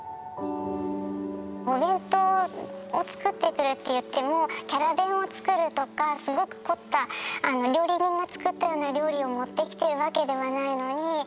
お弁当を作ってくるっていってもキャラ弁を作るとかすごく凝った料理人が作ったような料理を持ってきてるわけではないのに。